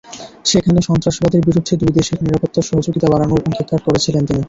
সেখানে সন্ত্রাসবাদের বিরুদ্ধে দুই দেশের নিরাপত্তা সহযোগিতা বাড়ানোর অঙ্গীকার করেছিলেন তিনি।